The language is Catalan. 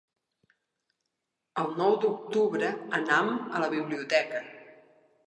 El nou d'octubre anam a la biblioteca.